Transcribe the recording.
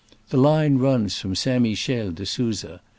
The line runs from St. Michel to Susa.